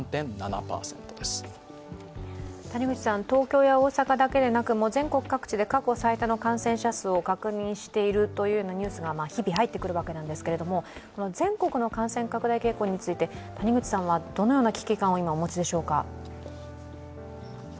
東京や大阪だけでなく、全国各地で過去最多の感染者数を確認しているというニュースが日々入ってくるわけですが、全国の感染拡大傾向について谷口さんはどのような危機感を今、お持ちでしょうか？